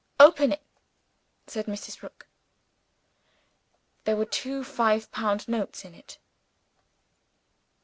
"Open it," said Mrs. Rook. There were two five pound bank notes in it.